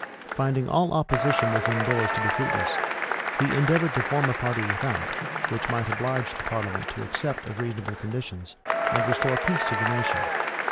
Finding all opposition within doors to be fruitless, he endeavored to form a party without, which might oblige the parliament to accept of reasonable conditions, and restore peace to the nation.